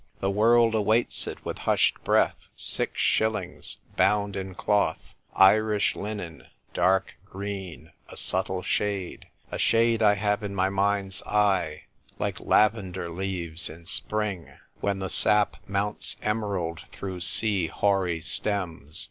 The world awaits it with hushed breath. Six shillings — bound in cloth — Irish linen — dark green — a subtle shade — a shade I have in my mind's eye — like laven der leaves in spring, when the sap mounts emerald through sea hoary stems.